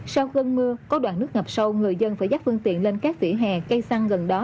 sau cơn mưa có đoạn nước ngập sâu người dân phải dắt phương tiện lên các vỉa hè cây săn gần đó